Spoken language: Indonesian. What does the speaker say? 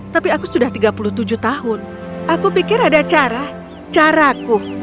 tapi aku sudah tiga puluh tujuh tahun aku pikir ada cara caraku